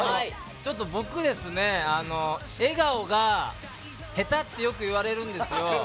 僕、笑顔が下手ってよく言われるんです。